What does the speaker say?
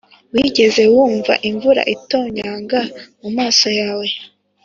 wigeze wumva imvura itonyanga mumaso yawe